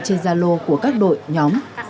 trên gia lô của các đội nhóm